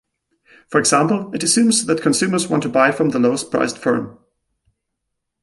For example, it assumes that consumers want to buy from the lowest priced firm.